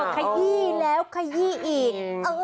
ขยี้แล้วขยี้อีก